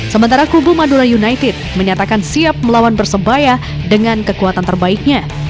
sementara kubu madura united menyatakan siap melawan persebaya dengan kekuatan terbaiknya